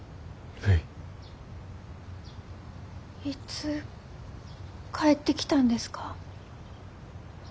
いつ帰ってきたんですか？